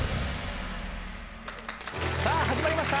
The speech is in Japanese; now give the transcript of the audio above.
さあ始まりました。